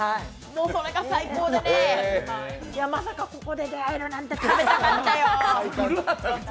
それが最高でね、まさか、ここで出会えるなんて、食べたかったよ。